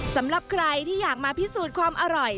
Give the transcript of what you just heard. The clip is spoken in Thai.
สำหรับใครที่อยากมาพิสูจน์ความอร่อย